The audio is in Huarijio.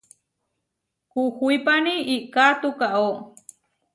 Kuhuípani íka tukaó.